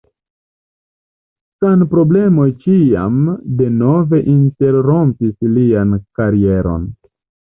Sanproblemoj ĉiam denove interrompis lian karieron.